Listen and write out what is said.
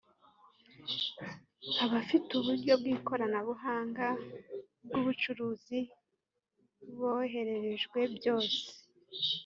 abafite uburyo bw’ikoronabuhanga bw’ubucuruzi bohererejwe byose